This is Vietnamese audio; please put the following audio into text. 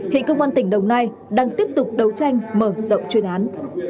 hiện công an tỉnh đồng nai đang tiếp tục đấu tranh mở rộng chuyên án